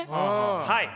はい。